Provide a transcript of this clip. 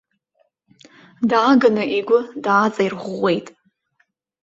Дааганы игәы дааҵаирӷәӷәеит.